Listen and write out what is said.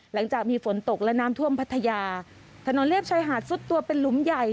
หลังจากมีฝนตกและน้ำท่วมพัทยาถนนเลียบชายหาดซุดตัวเป็นหลุมใหญ่